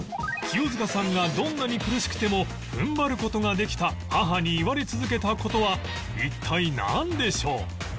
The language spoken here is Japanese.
清塚さんがどんなに苦しくても踏ん張る事ができた母に言われ続けた事は一体なんでしょう？